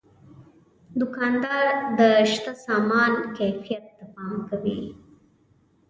دوکاندار د شته سامان کیفیت ته پام کوي.